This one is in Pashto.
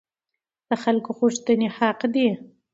د خلکو غوښتنې حق دي